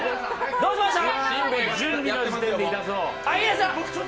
どうしました？